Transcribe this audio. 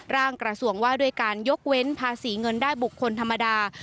ร่างกระทรวงว่าด้วยการยกเว้นภาษีเงินได้บุคคลธรรมดา